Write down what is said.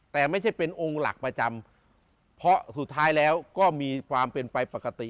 แต่ไม่ใช่เป็นองค์หลักประจำเพราะสุดท้ายแล้วก็มีความเป็นไปปกติ